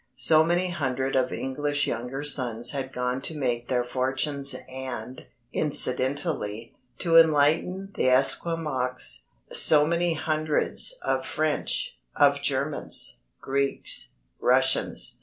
So many hundred of English younger sons had gone to make their fortunes and, incidentally, to enlighten the Esquimaux so many hundreds of French, of Germans, Greeks, Russians.